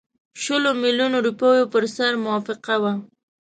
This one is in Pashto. شلو میلیونو روپیو پر سر موافقه وه.